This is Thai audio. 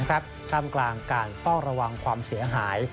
ท่ามกลางการเฝ้าระวังความเสียหาย